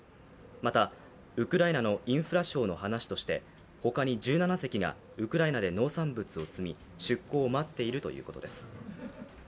また、ウクライナのインフラ相の話として、他に１７隻がウクライナで農産物を積み出港を待っているということです。